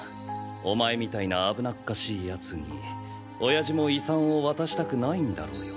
お前みたいな危なっかしい奴に親父も遺産を渡したくないんだろうよ。